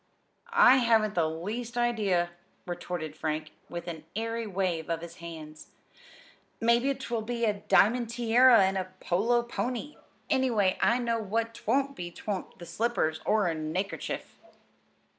"I haven't the least idea," retorted Frank, with an airy wave of his hands. "Maybe 'twill be a diamond tiara and a polo pony. Anyway, I know what 'twon't be 'twon't be slippers or a neckerchief!"